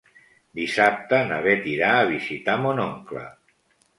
Dissabte na Beth irà a visitar mon oncle.